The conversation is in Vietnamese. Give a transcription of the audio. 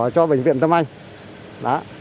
cho bệnh viện tâm anh